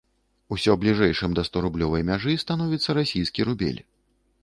Усё бліжэйшым да сторублёвай мяжы становіцца расійскі рубель.